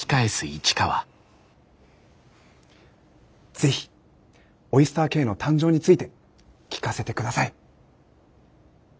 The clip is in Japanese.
ぜひオイスターＫの誕生について聞かせて下さい。